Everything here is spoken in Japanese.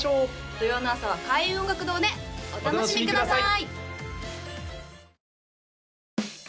土曜の朝は開運音楽堂でお楽しみください！